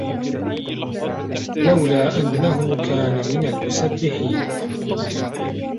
فَلَولا أَنَّهُ كانَ مِنَ المُسَبِّحينَ